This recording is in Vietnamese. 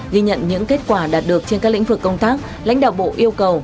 ghi nhận những kết quả đạt được trên các lĩnh vực công tác lãnh đạo bộ yêu cầu